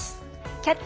「キャッチ！